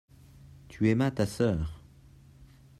tu aimas ta sœur.